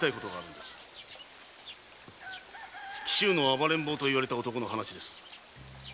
“紀州の暴れん坊”といわれた男の話です。